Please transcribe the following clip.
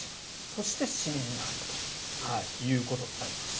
そして、シミになるということになります。